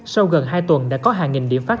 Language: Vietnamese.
sau gần hai tuần đã có hàng nghìn điểm phát